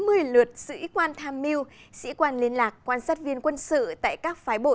hủy lượt sĩ quan tham mưu sĩ quan liên lạc quan sát viên quân sự tại các phái bộ